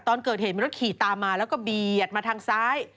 ตอนเกิดเหตุมีรถขี่ตามมาแล้วก็เบียดมาทางซ้าย